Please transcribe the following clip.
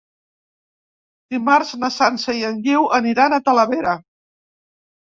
Dimarts na Sança i en Guiu aniran a Talavera.